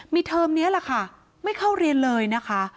มีเทอมนี้แหละค่ะไม่เข้าเรียนเลยนะคะ